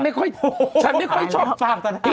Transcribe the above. ไม่ฉันไม่ค่อยชอบฟากศรัทธา